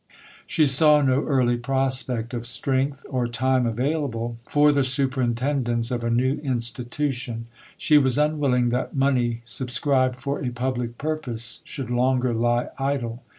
She saw no early prospect of strength or time available for the superintendence of a new Institution; she was unwilling that money subscribed for a public purpose should longer lie idle.